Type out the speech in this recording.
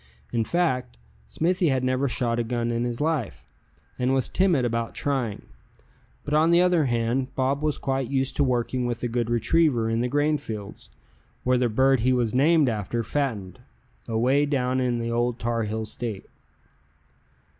In fact, Smithy had never shot a gun in his life, and was timid about trying; but on the other hand Bob was quite used to working with a good retriever in the grain fields, where the bird he was named after fattened, away down in the Old Tarheel State.